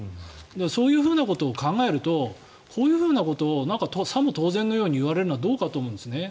そういうふうなことを考えるとこういうふうなことをさも当然のように言われるのはどうかと思うんです。